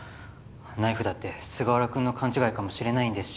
ナイフだって菅原君の勘違いかもしれないんですし。